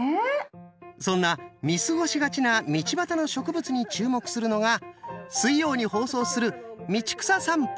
そんな見過ごしがちな道端の植物に注目するのが水曜に放送する「道草さんぽ・春」。